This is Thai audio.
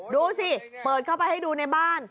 ดูสิเปิดเข้าไปให้ดูในบ้าน